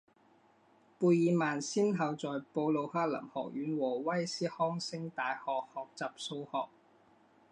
贝尔曼先后在布鲁克林学院和威斯康星大学学习数学。